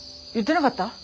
言ってなかった？